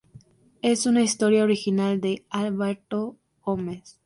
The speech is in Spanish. Es una historia original de Alberto Gómez.